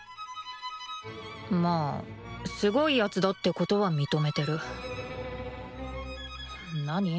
まあすごい奴だってことは認めてる何？